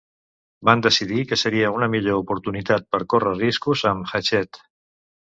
Van decidir que seria una millor oportunitat per córrer riscos amb Hachette.